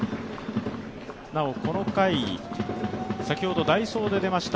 この回、先ほど代走で出ました